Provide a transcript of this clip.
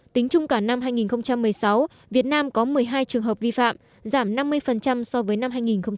tính chung cả năm hai nghìn một mươi sáu việt nam có một mươi hai trường hợp vi phạm giảm năm mươi so với năm hai nghìn một mươi bảy